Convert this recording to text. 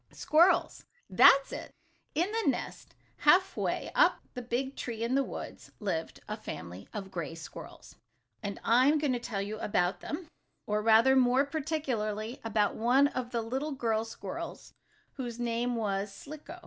Squirrels! That's it! In the nest, half way up the big tree in the woods, lived a family of gray squirrels, and I am going to tell you about them, or, rather, more particularly, about one of the little girl squirrels whose name was Slicko.